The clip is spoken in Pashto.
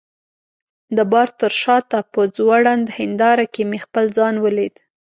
د بار تر شاته په ځوړند هنداره کي مې خپل ځان ولید.